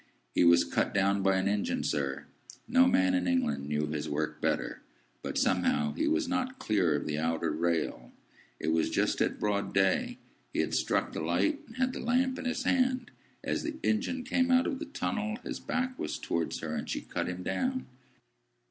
"He was cut down by an engine, sir. No man in England knew his work better. But somehow he was not clear of the outer rail. It was just at broad day. He had struck the light, and had the lamp in his hand. As the engine came out of the tunnel, his back was towards her, and she cut him down.